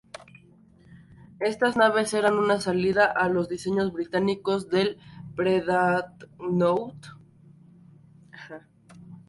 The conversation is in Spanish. Estas naves eran una salida a los diseños británicos del pre-dreadnought.